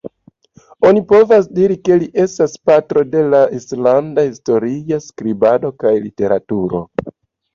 Oni povas diri ke li estas patro de la islanda historia skribado kaj literaturo.